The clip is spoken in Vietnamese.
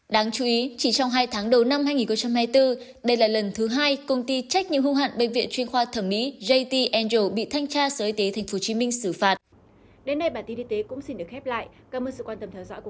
đáng chú ý chỉ trong hai tháng đầu năm hai nghìn hai mươi bốn đây là lần thứ hai công ty trách nhiệm hưu hạn bệnh viện chuyên khoa thẩm mỹ jt angel bị thanh tra sở y tế tp hcm xử phạt